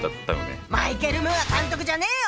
マイケル・ムーア監督じゃねえよ！